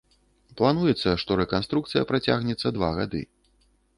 Плануецца, што рэканструкцыя працягнецца два гады.